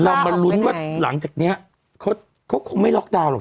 เรามาลุ้นว่าหลังจากนี้เขาคงไม่ล็อกดาวนหรอก